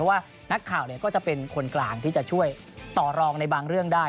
ว่านักข่าวก็จะเป็นคนกลางที่จะช่วยต่อรองในบางเรื่องได้